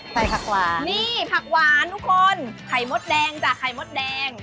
ผักหวานนี่ผักหวานทุกคนไข่มดแดงจ้ะไข่มดแดง